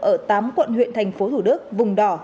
ở tám quận huyện thành phố thủ đức vùng đỏ